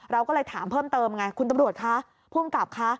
เราก็เลยถามเพิ่มเติมคุณตำรวจค่ะผู้อำกับค่ะ